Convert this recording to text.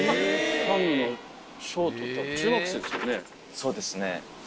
そうですね。